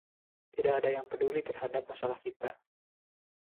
Tidak ada yang peduli terhadap masalah kita.